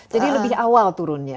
jadi lebih awal turunnya